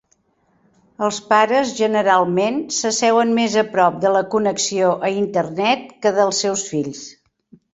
Els pares generalment s'asseuen més a prop de la connexió a internet que del seus fills.